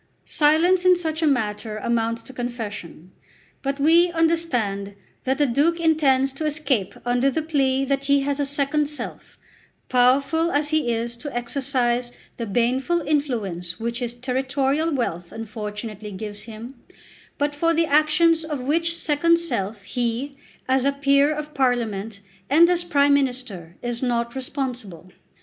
Silence in such a matter amounts to confession. But we understand that the Duke intends to escape under the plea that he has a second self, powerful as he is to exercise the baneful influence which his territorial wealth unfortunately gives him, but for the actions of which second self he, as a Peer of Parliament and as Prime Minister, is not responsible.